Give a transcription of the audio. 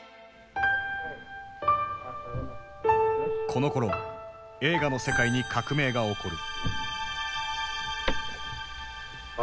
このころ映画の世界に革命が起こる。